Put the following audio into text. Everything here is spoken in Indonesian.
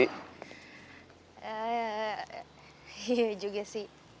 iya juga sih